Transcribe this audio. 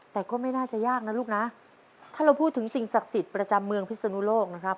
แต่ก็ไม่น่าจะยากนะลูกนะถ้าเราพูดถึงสิ่งศักดิ์สิทธิ์ประจำเมืองพิศนุโลกนะครับ